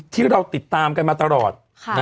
ที่เราติดตามกันมาตลอด